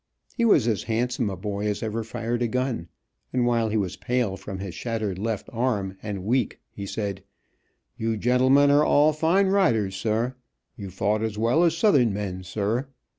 He was as handsome a boy as ever fired a gun, and while he was pale from his shattered left arm, and weak, he said, "You gentlemen are all fine riders, sir. You fought as well as Southern men, sir."